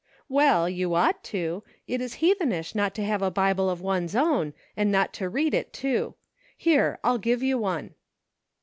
" Well, you ought to ; it is heathenish not to have a Bible of one's own, and not to read it, too ; here, I'll give you one."